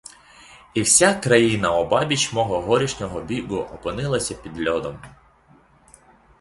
І вся країна обабіч мого горішнього бігу опинилася під льодом.